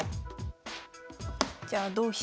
じゃあ同飛車。